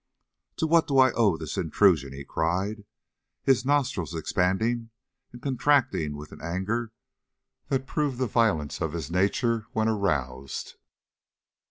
"To what do I owe this intrusion?" he cried, his nostrils expanding and contracting with an anger that proved the violence of his nature when aroused.